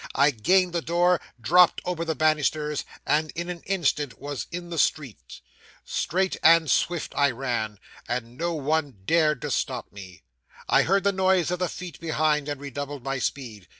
I gained the door, dropped over the banisters, and in an instant was in the street. 'Straight and swift I ran, and no one dared to stop me. I heard the noise of the feet behind, and redoubled my speed.